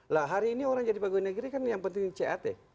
lah hari ini orang jadi pegawai negeri kan yang penting cat